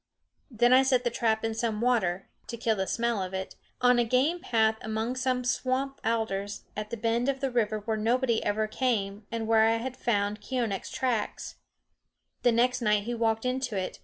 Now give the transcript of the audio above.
Then I set the trap in some water (to kill the smell of it) on a game path among some swamp alders, at a bend of the river where nobody ever came and where I had found Keeonekh's tracks. The next night he walked into it.